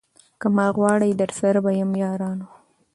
که ما غواړی درسره به یم یارانو